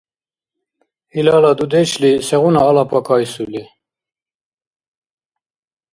Илала дудешли сегъуна алапа кайсули?